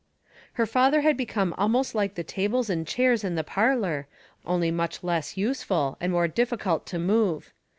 Her father had become almost like the tables and chairs in the parlour, only much less useful and more difficult to move.